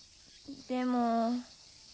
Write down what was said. でも。